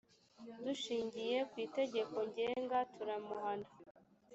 dushingiye ku itegeko ngenga turamuhana